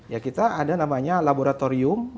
ya kita ada namanya laboratorium